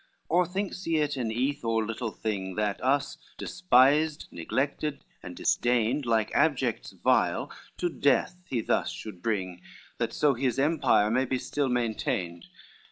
LXVI "Or thinks he it an eath or little thing That us despised, neglected, and disdained, Like abjects vile, to death he thus should bring, That so his empire may be still maintained?